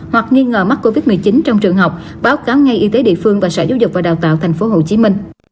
hoặc nghi ngờ mắc covid một mươi chín trong trường học báo cáo ngay y tế địa phương và sở giáo dục và đào tạo tp hcm